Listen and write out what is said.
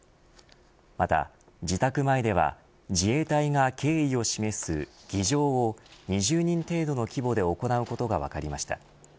また、自宅前では自衛隊が敬意を示す儀仗を、２０人程度の規模で行うことが分かりました。